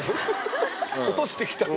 落としてきたんだ。